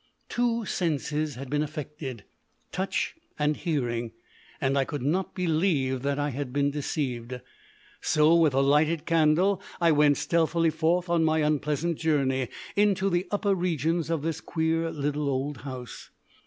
Two senses had been affected touch and hearing and I could not believe that I had been deceived. So, with a lighted candle, I went stealthily forth on my unpleasant journey into the upper regions of this queer little old house.